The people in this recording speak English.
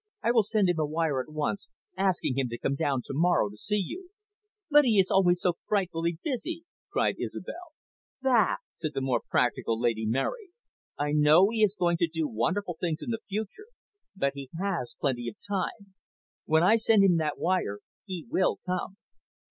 I will send him a wire at once, asking him to come down to morrow to see you." "But he is always so frightfully busy," cried Isobel. "Bah!" said the more practical Lady Mary. "I know he is going to do wonderful things in the future, but he has plenty of time. When I send him that wire, he will come."